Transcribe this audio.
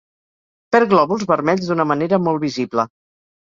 Perd glòbuls vermells d'una manera molt visible.